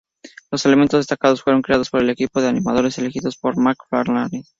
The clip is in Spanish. Los elementos destacados fueron creados por un equipo de animadores elegidos por MacFarlane.